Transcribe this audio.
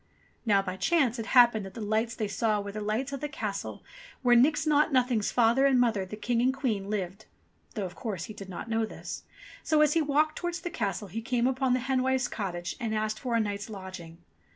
Now, by chance it happened that the lights they saw NIX ^NAUGHT NOTHING 189 were the lights of the castle where Nix Naught Nothing's father and mother, the King and Queen, lived (though, of course, he did not know this) ; so, as he walked towards the castle he came upon the hen wife's cottage and asked for a night's lodging.